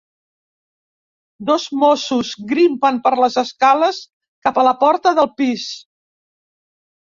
Dos Mossos grimpen per les escales cap a la porta del pis.